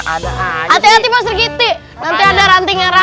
hati hati pak sri kiti nanti ada rantingan nanti